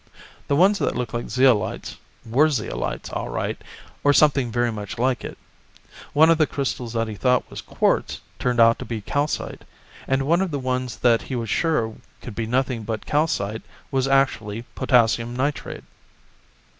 The ones that looked like zeolites were zeolites, all right, or something very much like it. One of the crystals that he thought was quartz turned out to be calcite, and one of the ones that he was sure could be nothing but calcite was actually potassium nitrate.